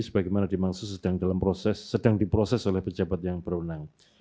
sebagaimana dimaksud sedang diproses oleh pejabat yang berwenang